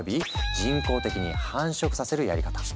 人工的に繁殖させるやり方。